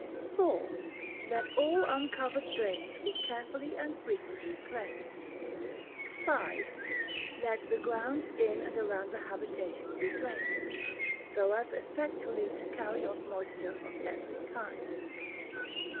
iv. Let all Uncovered Drains be carefully and frequently cleansed. v. Let the Grounds in and around the habitation be drained, so as effectually to carry off moisture of every kind.